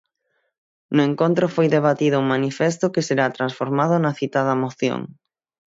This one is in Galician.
No encontro foi debatido un manifesto que será transformado na citada moción.